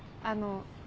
あの